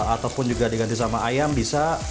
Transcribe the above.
ataupun juga diganti sama ayam bisa